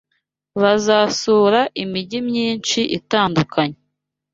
Bazasura imigi myinshi itandukanye